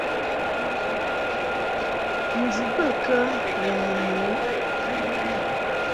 Ndib bə kə ni nyum u ?